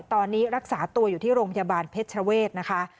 ตอนนี้รักษาตัวอยู่ที่โรงพยาบาลเพชรเวศนะคะ